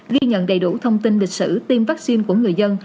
ghi nhận đầy đủ thông tin lịch sử tiêm vaccine của người dân